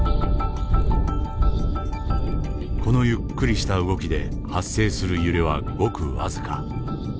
このゆっくりした動きで発生する揺れはごく僅か。